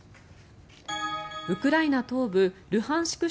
ウクライナ東部ルハンシク